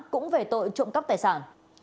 cũng về tội trộm cấp tài sản